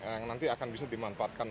yang nanti akan bisa dimanfaatkan